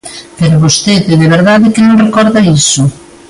Pero vostede ¿de verdade que non recorda iso?